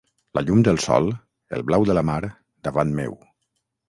La llum del sol, el blau de la mar, davant meu.